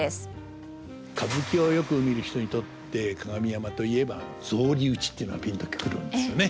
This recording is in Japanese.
歌舞伎をよく見る人にとって「加賀見山」といえば「草履打ち」っていうのがピンと来るんですよね。